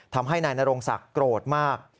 ทำให้นางดวงกะมนต์โกรธมาก